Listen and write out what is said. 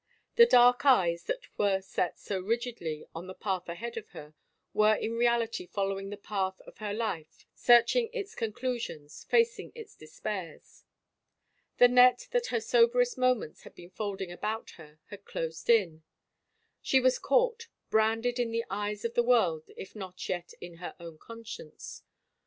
The dark eyes that were set so rigidly on the path ahead of her were in reality following the path of her life, searching its con clusions, facing its despairs. The net, that her soberest moments had seen folding about her, had closed in ; she was caught, branded in the eyes of the world if not yet in her own conscience.